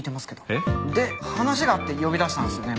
えっ？で話があって呼び出したんですよね？